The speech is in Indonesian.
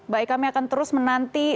baik kami akan terus menanti